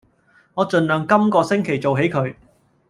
我儘量今個星期做起佢